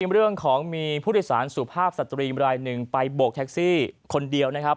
เรื่องของมีผู้โดยสารสุภาพสตรีมรายหนึ่งไปโบกแท็กซี่คนเดียวนะครับ